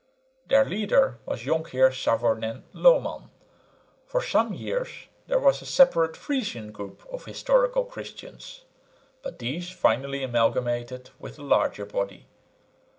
Their leader was Jonkheer Savornin Lohman. For some years there was a separate Frisian group of "Historical Christians," but these finally amalgamated with the larger body.